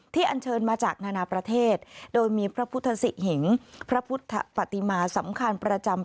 อันเชิญมาจากนานาประเทศโดยมีพระพุทธศิหิงพระพุทธปฏิมาสำคัญประจำ